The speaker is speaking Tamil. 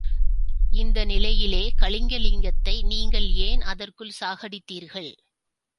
இந்நிலையிலே கனகலிங்கத்தை நீங்கள் ஏன் அதற்குள் சாகடித்தீர்கள்?